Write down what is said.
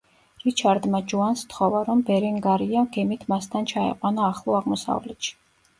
რიჩარდმა ჯოანს სთხოვა, რომ ბერენგარია გემით მასთან ჩაეყვანა ახლო აღმოსავლეთში.